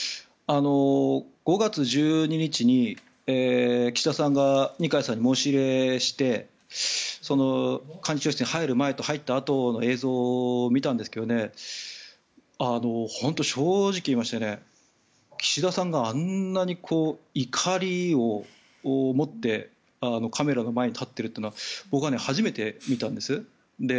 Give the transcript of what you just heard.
５月１２日に岸田さんが二階さんに申し入れして幹事長室に入る前と入ったあとの映像を見たんですが本当に正直言いまして岸田さんがあんなに怒りを持ってカメラの前に立っているというのは僕は初めて見たんです。